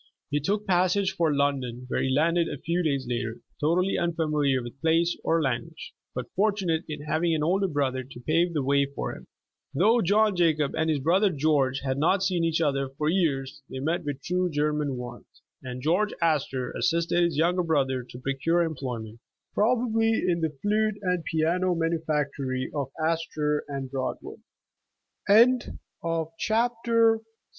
He took passage for London, where he landed a few days later, totally unfamiliar with place or language, but fortu nate in having an older brother to pave the way for him. Though John Jacob and his brother George had 39 The Original John Jacob Astor not seen each other for years, they met with true Ger man warmth, and George Astor assisted his younger brother to procure employment, probably in the flute and piano manufacto